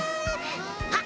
あっ！